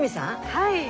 はい。